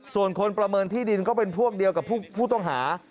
ส่วนคนประเมินที่ดินก็เป็นพวกเดียวกับผู้ต้องหา